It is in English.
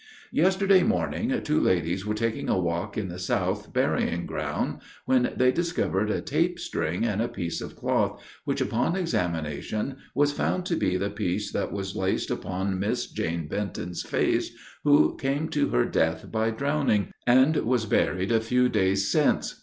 "Yesterday morning, two ladies were taking a walk in the South burying ground, when they discovered a tape string, and a piece of cloth, which upon examination was found to be the piece that was laced upon Miss Jane Benton's face, who came to her death by drowning, and was buried a few days since.